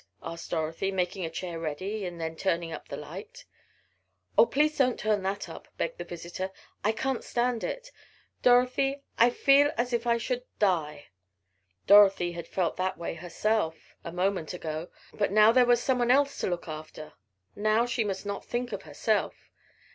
asked Dorothy, making a chair ready and then turning up the light. "Oh, please don't turn that up," begged the visitor. "I can't stand it! Dorothy, I feel as if I should die!" Dorothy had felt that way herself a moment ago, but now there was someone else to look after; now she must not think of herself.